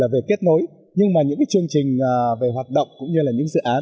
về kết nối nhưng mà những chương trình về hoạt động cũng như là những dự án